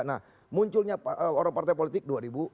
nah munculnya orang partai politik dua ribu empat belas